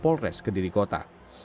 polres kediri kota